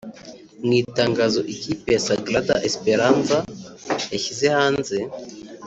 Mu itangazo ikipe ya Sagrada Esperanca yashyize hanze